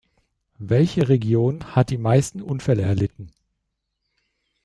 Welche Region hat die meisten Unfälle erlitten?